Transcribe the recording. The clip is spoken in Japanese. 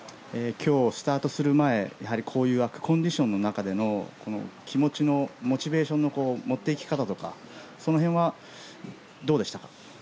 今日、スタートする前こういう悪コンディションの中での気持ちのモチベーションの持っていき方とかその辺はどうでしたか？